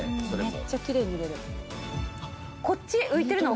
めっちゃきれいに塗れる。